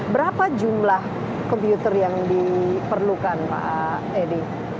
berapa jumlah komputer yang diperlukan pak edi